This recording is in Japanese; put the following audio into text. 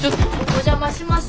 お邪魔します。